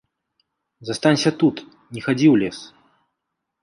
Застанься тут, не хадзі ў лес.